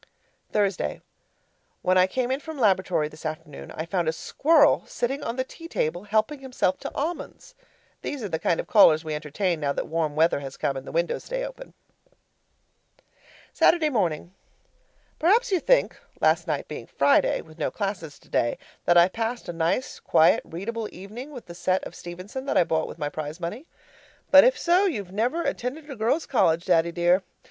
Thursday When I came in from laboratory this afternoon, I found a squirrel sitting on the tea table helping himself to almonds. These are the kind of callers we entertain now that warm weather has come and the windows stay open Saturday morning Perhaps you think, last night being Friday, with no classes today, that I passed a nice quiet, readable evening with the set of Stevenson that I bought with my prize money? But if so, you've never attended a girls' college, Daddy dear.